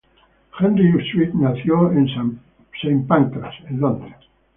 Henry Sweet nació en St Pancras, en Londres.